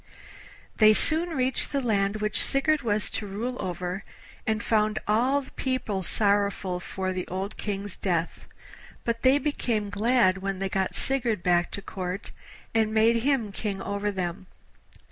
They soon reached the land which Sigurd was to rule over, and found all the people sorrowful for the old King's death, but they became glad when they got Sigurd back to the Court, and made him King over them.